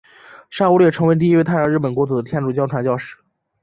沙勿略成为第一位踏上日本国土的天主教传教士。